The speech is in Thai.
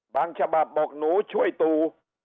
ฉบับบอกหนูช่วยตู